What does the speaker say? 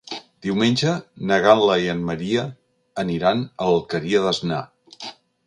Diumenge na Gal·la i en Maria aniran a l'Alqueria d'Asnar.